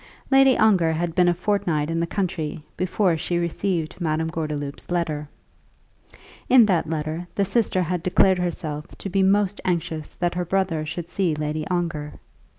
Lady Ongar had been a fortnight in the country before she received Madame Gordeloup's letter. In that letter the sister had declared herself to be most anxious that her brother should see Lady Ongar.